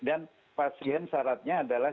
dan pasien syaratnya adalah